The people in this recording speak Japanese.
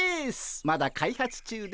まだ開発中ですが。